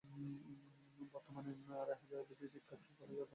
বর্তমানে আড়াই হাজারেরও বেশি শিক্ষার্থী এ কলেজে অধ্যয়নরত আছে।